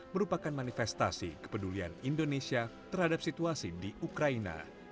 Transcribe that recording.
merupakan manifestasi kepedulian indonesia terhadap situasi di ukraina